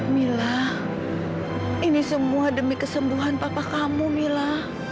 mila ini semua demi kesembuhan papa kamu mila